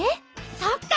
そっか。